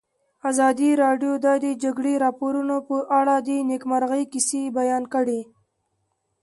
ازادي راډیو د د جګړې راپورونه په اړه د نېکمرغۍ کیسې بیان کړې.